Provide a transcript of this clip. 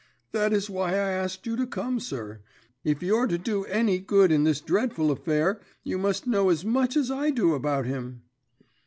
"That is why I asked you to come, sir. If you're to do any good in this dreadful affair, you must know as much as I do about him."